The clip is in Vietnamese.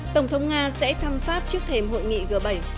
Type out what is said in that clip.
tổng thống nga sẽ thăm pháp trước thềm hội nghị g bảy